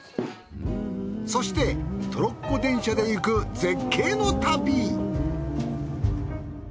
そしてトロッコ電車で行く絶景の旅。